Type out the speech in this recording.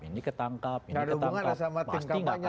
ini ketangkap ini ketangkap pasti enggak akan ada hubungannya